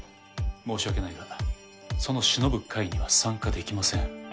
申し訳ないがその偲ぶ会には参加できません。